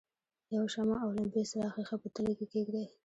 یوه شمع او لمپې څراغ ښيښه په تلې کې کیږدئ.